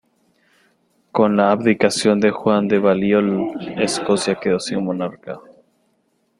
Con la abdicación de Juan de Balliol, Escocia quedó sin monarca.